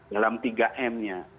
dalam tiga m nya